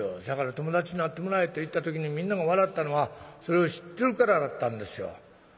だから『友達になってもらえ』って言った時にみんなが笑ったのはそれを知ってるからだったんですよ。